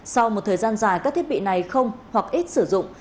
sau một thời gian dài các thiết bị này không hoặc ít sử dụng